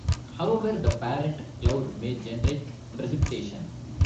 However, the parent cloud may generate precipitation.